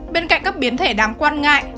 bên cạnh các biến thể đáng quan ngại